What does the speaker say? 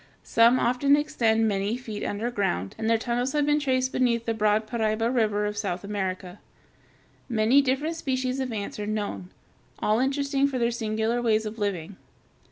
Some often extend many feet underground, and their tunnels have been traced beneath the broad Paraiba River of South America. Many different species of ants are known, all interesting for their singular ways of living.